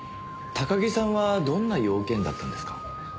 高木さんはどんな用件だったんですか？